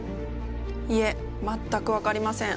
いえ全く分かりません。